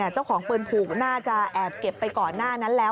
เจ้าของปืนผูกน่าจะแอบเก็บไปก่อนหน้านั้นแล้ว